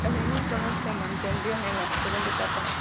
Las mismas zonas se mantendrían en la segunda etapa.